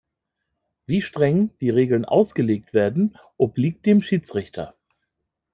Wie streng die Regeln ausgelegt werden, obliegt dem Schiedsrichter.